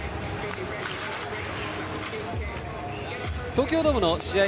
東京ドームの試合